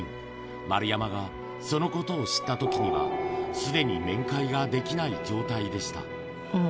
丸山がそのことを知ったときには、すでに面会ができない状態でした。